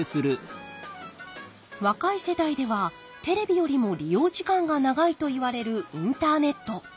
若い世代ではテレビよりも利用時間が長いといわれるインターネット。